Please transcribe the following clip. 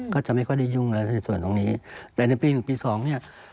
ก็จะไม่ค่อยได้ยุ่งแล้วในส่วนตรงนี้แต่ในปีหนึ่งปีสองเนี่ย